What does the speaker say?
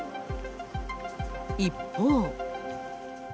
一方。